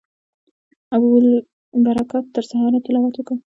ابوالبرکات تر سهاره تلاوت وکړ.